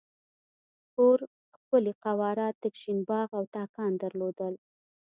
کور ښکلې فواره تک شین باغ او تاکان درلودل.